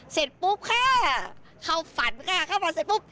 เสร็จปุ๊บค่ะเข้าฝันค่ะเข้าฝันเสร็จปุ๊บ